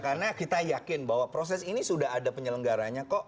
karena kita yakin bahwa proses ini sudah ada penyelenggaranya